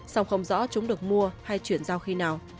song không rõ chúng được mua hay chuyển giao khi nào